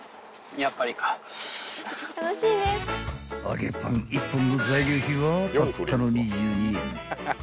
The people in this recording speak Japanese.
［揚げパン１本の材料費はたったの２２円］